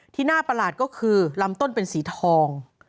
ที่น่าประหลาดก็คือลำต้นเป็นสีทอง